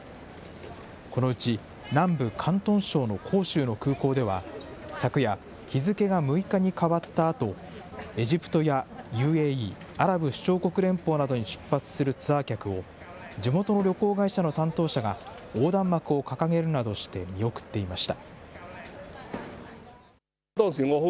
このうち南部、広東省の広州の空港では、昨夜、日付けが６日に変わったあと、エジプトやＵＡＥ・アラブ首長国連邦などに出発するツアー客を、地元の旅行会社の担当者が、横断幕を掲げるなどして見送っていました。